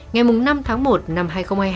ngày năm tháng một năm hai nghìn hai mươi hai